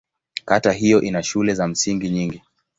Kata hiyo ina shule za msingi nyingi.